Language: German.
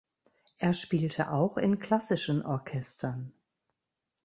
Er spielte auch in klassischen Orchestern.